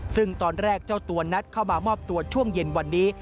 ซึ่งตอนแรกเจ้าตัวนัดเข้ามามอบตัวช่วงเย็นวันนี้